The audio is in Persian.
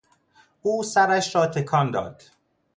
او سرش را تکان داد.